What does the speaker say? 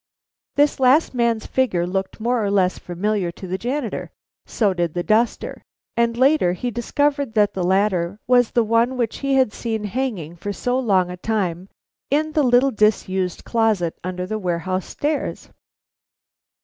This last man's figure looked more or less familiar to the janitor, so did the duster, and later he discovered that the latter was the one which he had seen hanging for so long a time in the little disused closet under the warehouse stairs.